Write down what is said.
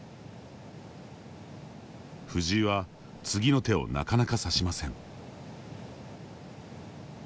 藤井は次の手をなかなか指しません。